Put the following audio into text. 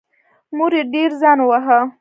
مور یې ډېر ځان وواهه.